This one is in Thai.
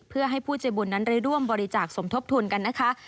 เพื่อให้ผู้ใจบุญนั้นได้ร่วมบริจาคสมทบทุนกันนะคะ